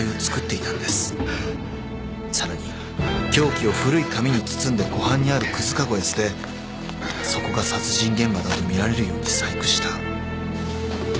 さらに凶器を古い紙に包んで湖畔にあるくずかごへ捨てそこが殺人現場だとみられるように細工した。